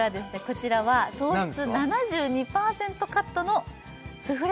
こちらは糖質７２％カットの何ですか？